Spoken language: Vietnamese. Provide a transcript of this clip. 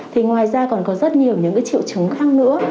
thì ngoài ra còn có rất nhiều những triệu chứng khác nữa